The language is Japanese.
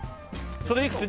それいくつ？